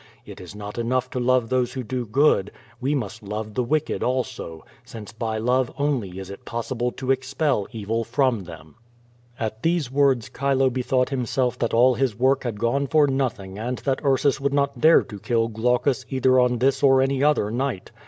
It is not enough to love those who do good, we must love the wick ed also, since by love only is it possible to expel evil from them. l6o Qf ^0 VADIS, At these words Cliilo l)otlion<rlit himself that all his work liad gone for nothing and that Ursus would not dare to kill Glaucus either on this or any other night.